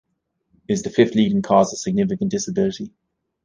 It is the fifth leading cause of significant disability.